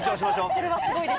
これはすごいです。